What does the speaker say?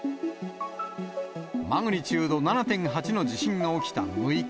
マグニチュード７．８の地震が起きた６日。